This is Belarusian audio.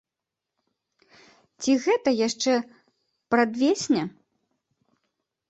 Ці гэта яшчэ прадвесне?